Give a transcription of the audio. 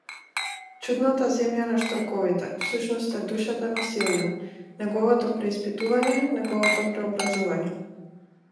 Чудната земја на штрковите, всушност е душата на Силјан, неговото преиспитување, неговото преобразување.